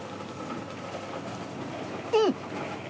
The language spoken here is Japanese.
うん。